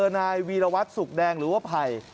นายวีรวัตรสุขแดงหรือว่าไผ่